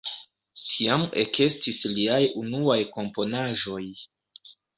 Tiam ekestis liaj unuaj komponaĵoj.